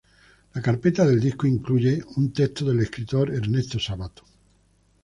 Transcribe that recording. La carpeta del disco incluye un texto del escritor Ernesto Sabato.